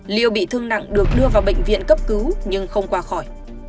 liêu bị thương nặng được đưa vào bệnh viện cấp cứu nhưng không qua khỏi